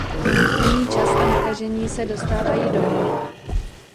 Není čas a nakažení se dostávají do haly.